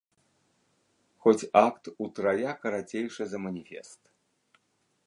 Хоць акт утрая карацейшы за маніфест.